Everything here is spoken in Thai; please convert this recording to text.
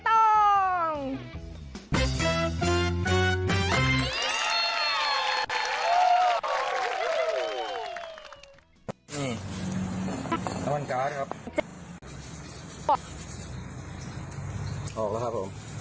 ออกแล้วครับผม